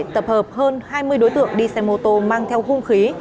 tập hợp hơn hai mươi đối tượng đi xe mô tô mang theo hung khí